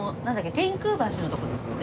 天空橋のとこですよね。